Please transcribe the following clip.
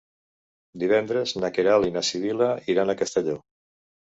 Divendres na Queralt i na Sibil·la iran a Castelló.